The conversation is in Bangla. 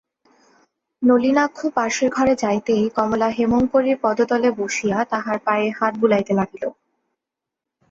নলিনাক্ষ পাশের ঘরে যাইতেই কমলা ক্ষেমংকরীর পদতলে বসিয়া তাঁহার পায়ে হাত বুলাইতে লাগিল।